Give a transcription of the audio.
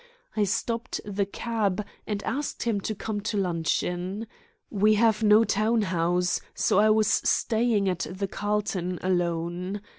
I stopped the cab, and asked him to come to luncheon. We have no town house, so I was staying at the Carlton alone.